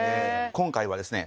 今回はですね